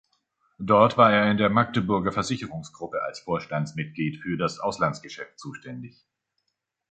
Dort war er in der Magdeburger Versicherungsgruppe als Vorstandsmitglied für das Auslandsgeschäft zuständig.